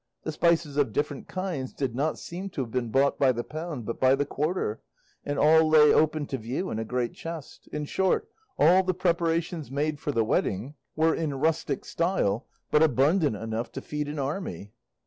The spices of different kinds did not seem to have been bought by the pound but by the quarter, and all lay open to view in a great chest. In short, all the preparations made for the wedding were in rustic style, but abundant enough to feed an army.